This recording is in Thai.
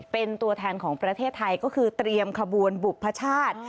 เป็นตัวแทนของประเทศไทยก็คือเตรียมขบวนบุพชาติ